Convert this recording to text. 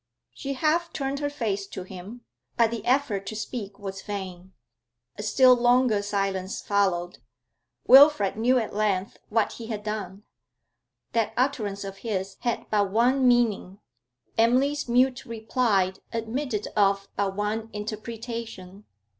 She half turned her face to him, but the effort to speak was vain. A still longer silence followed. Wilfrid knew at length what he had done. That utterance of his had but one meaning, Emily's mute reply admitted of but one interpretation.